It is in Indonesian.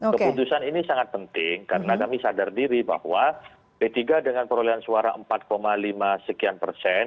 keputusan ini sangat penting karena kami sadar diri bahwa p tiga dengan perolehan suara empat lima sekian persen